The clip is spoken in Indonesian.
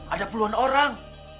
ada puluhan orang